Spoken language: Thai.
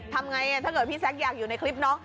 ทำไงถ้าเกิดพี่แซคอยากอยู่ในคลิปน้อง